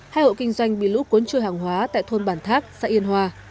hai hộ kinh doanh bị lũ cuốn trôi hàng hóa tại thôn bản thác xã yên hoa